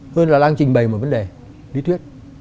hơn là đang trình bày một vấn đề lý thuyết